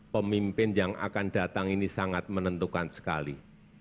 pemimpin yang akan datang ini sangat menentukan sekali